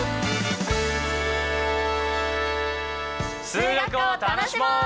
数学を楽しもう！